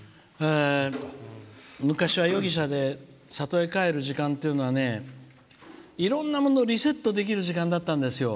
昔は夜汽車で里へ帰る時間っていうのはねいろんなものをリセットできる時間だったんですよ。